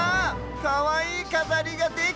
かわいいかざりができてく！